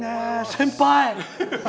先輩！